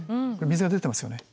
水が出てますよね。